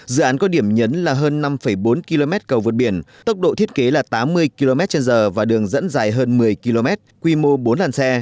dự án có điểm nhấn là hơn năm bốn km cầu vượt biển tốc độ thiết kế là tám mươi km trên giờ và đường dẫn dài hơn một mươi km quy mô bốn làn xe